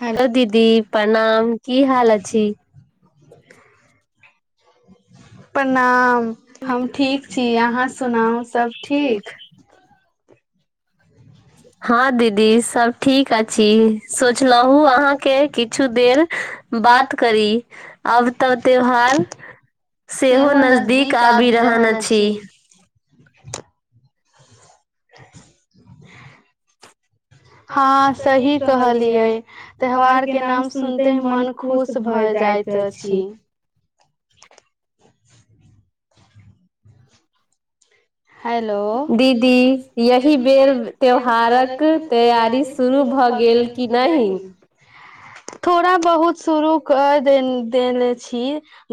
hello दीदी प्रणाम की हालत छी प्रणाम हम ठीक छी अहाँ सुनाउ सब ठीक हँ दीदी सब ठीक अछि सोचलहूँ अहाँके किछू देर बात करि आब त त्यौहार सेहो नजदीक आबि रहल अछि [inaudible] हाँ सही कहलिए त्यौहार कें नाम सुनतै मन ख़ुश भ जायत अछि हेलो थोड़ा बहुत शुरु क देने देने छी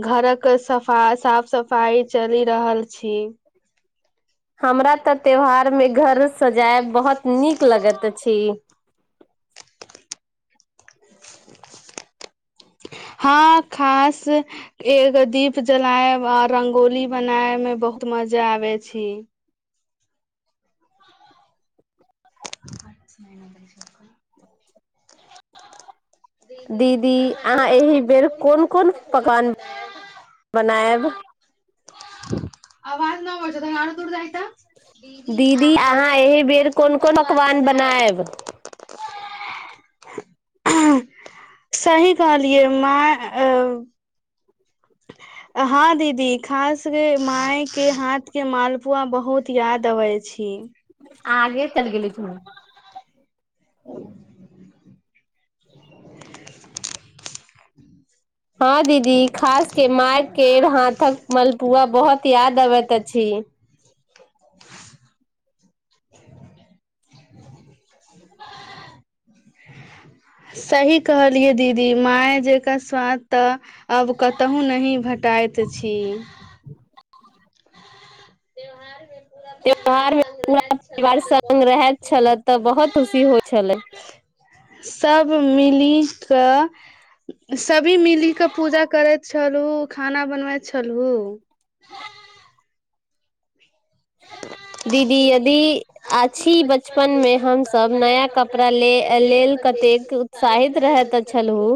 घरक सफाई साफ सफाई चलि रहल छी हमरा त त्यौहार मे घर सजायब बहुत नीक लागैत अछि हाँ खास एगो दीप जलायब आ रंगोली बनायब मे बहुत मजा आबे छी [inaudible] दीदी अहाँ एहि बेर कोन कोन पकवान बनायब आवाज न आबै छो तनि आओर दूर जाहिं त दीदी अहाँ एहि बेर कोन कोन पकवान बनाएब हें सही कहलिए मा - हाँ दीदी खासकें माअ कें हाथ के मालपुआ बहुत याद आबै छी हाँ दीदी खासकें माअ कें हाथकें मालपुआ बहुत याद आबैत अछि [inaudible] सही कहलिए दीदी माअ जंका स्वाद त आब कतौह नहि भेटायत छी [inaudible] [unintelligible] त सभी मिलीक पुजा करै छ छलु खाना बनबैत छलहुं [unintelligible] दीदी यदि आ छी बचपन मे हमसभ नया कपड़ा ले लेल कतेक उत्साहित रहैत छलहूँ